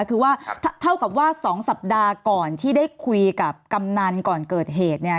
คือว่าเท่ากับว่า๒สัปดาห์ก่อนที่ได้คุยกับกำนันก่อนเกิดเหตุเนี่ย